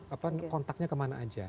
apa kontaknya kemana aja